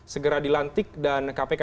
segera dilantik dan kpk